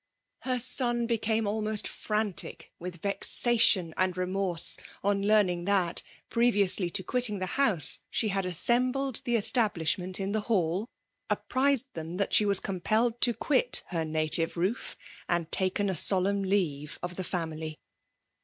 Her son became almost frantic with vexation and re morse on learning that, previously to quitting « the house^ she had assembled the establish ment in the hall^ apprized them that she was compelled to quit her native roof, and taken a solemn leave of the family.